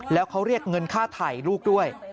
แล้วเขาเรียกเงินค่าถ่ายลูกด้วย